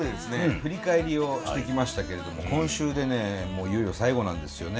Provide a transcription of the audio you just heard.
振り返りをしてきましたけれども今週でねもういよいよ最後なんですよね。